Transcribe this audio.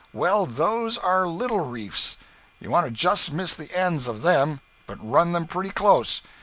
Well, those are little reefs; you want to just miss the ends of them, but run them pretty close.